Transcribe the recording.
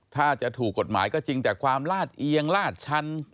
ถ้าจะถูกกฎหมายก็จริงแต่ความลาดเอียงลาดชัน